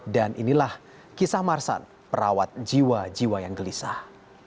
dan inilah kisah marsan perawat jiwa jiwa yang gelisah